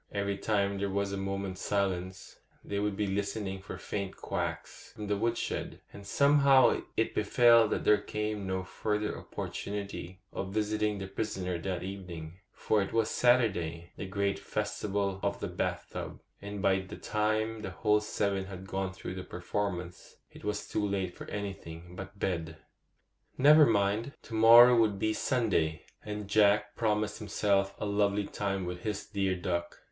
Every time there was a moment's silence, they would be listening for faint quacks from the wood shed, and somehow it befell that there came no further opportunity of visiting the prisoner that evening; for it was Saturday,—the great festival of the bath tub,—and by the time the whole seven had gone through the performance, it was too late for anything but bed. Never mind; to morrow would be Sunday, and Jack promised himself a lovely time with his dear cluck.